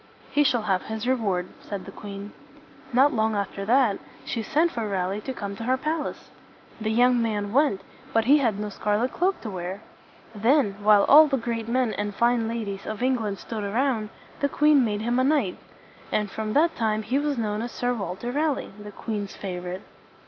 "He shall have his reward," said the queen. Not long after that, she sent for Raleigh to come to her pal ace. The young man went, but he had no scarlet cloak to wear. Then, while all the great men and fine ladies of England stood around, the queen made him a knight. And from that time he was known as Sir Walter Raleigh, the queen's favorite.